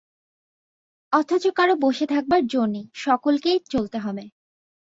অথচ কারো বসে থাকবার জো নেই, সকলকেই চলতে হবে।